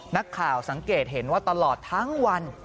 นักข่าวสังเกตเห็นว่าตลอดทั้งวัน